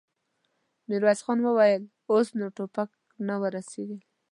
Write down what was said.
ميرويس خان وويل: اوس نو ټوپک نه ور رسېږي.